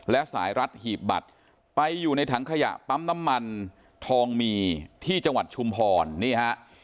และสายรัดหีบบัตรไปอยู่ในถังขยะปั๊มน้ำมันทองมีที่จังหวัดชุมพรนี่ฮะ